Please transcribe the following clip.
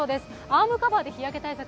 アームカバーで日焼け対策。